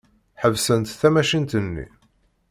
Ḥebsent tamacint-nni.